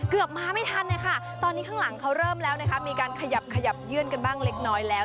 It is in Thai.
เกือบมาไม่ทันนะคะตอนนี้ข้างหลังเขาเริ่มแล้วนะคะมีการขยับขยับยื่นกันบ้างเล็กน้อยแล้ว